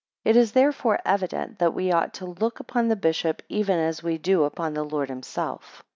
It is therefore evident that we ought to look upon the bishop, even as we do upon the Lord himself.